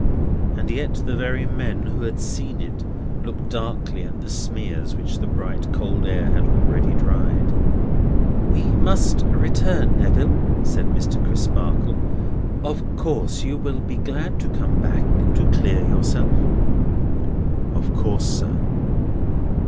And yet the very men who had seen it looked darkly at the smears which the bright cold air had already dried. "We must return, Neville," said Mr. Crisparkle; "of course you will be glad to come back to clear yourself?" "Of course, sir."